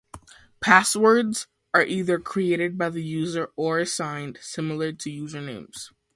Passwords are either created by the user or assigned, similar to usernames.